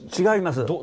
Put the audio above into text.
違います。